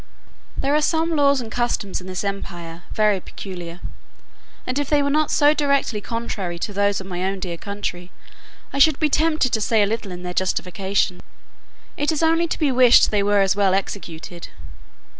There are some laws and customs in this empire very peculiar; and if they were not so directly contrary to those of my own dear country, I should be tempted to say a little in their justification. It is only to be wished they were as well executed.